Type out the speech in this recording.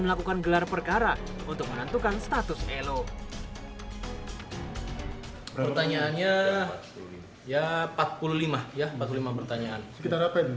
melakukan gelar perkara untuk menentukan status elo pertanyaannya ya empat puluh lima ya empat puluh lima pertanyaan